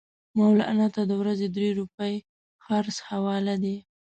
مولنا ته د ورځې درې روپۍ خرڅ حواله دي.